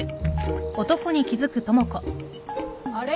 あれ？